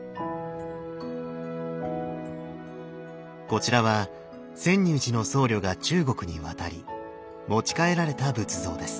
こちらは泉涌寺の僧侶が中国に渡り持ち帰られた仏像です。